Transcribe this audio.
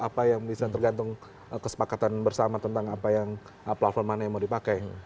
apa yang bisa tergantung kesepakatan bersama tentang apa yang platform mana yang mau dipakai